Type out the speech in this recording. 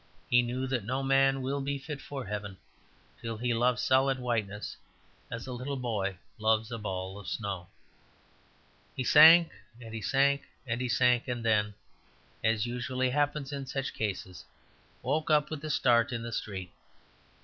He knew that no man will be fit for heaven till he loves solid whiteness as a little boy loves a ball of snow. He sank and sank and sank... and then, as usually happens in such cases, woke up, with a start in the street.